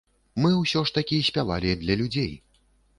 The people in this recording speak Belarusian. Мы ўсё ж такі спявалі для людзей.